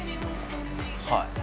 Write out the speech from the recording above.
はい。